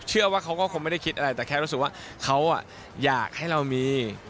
เขาก็คงไม่ได้คิดอะไรแต่แค่รู้สึกว่าเขาอยากให้เรามี